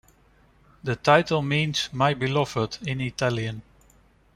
The title means "my beloved" in Italian.